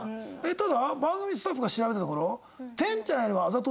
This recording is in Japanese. ただ番組スタッフが調べたところ。